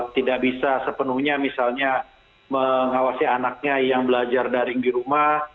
tidak bisa sepenuhnya misalnya mengawasi anaknya yang belajar daring di rumah